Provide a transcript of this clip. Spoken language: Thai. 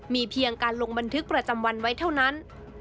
มีเพียงการลงบันทึกประจำวันไว้เท่านั้น